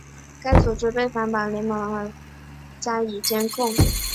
该组织被反诽谤联盟和南方反贫穷法律中心列为仇恨团体并加以监控。